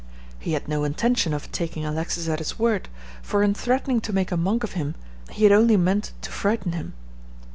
He had no intention of taking Alexis at his word, for in threatening to make a monk of him he had only meant to frighten him.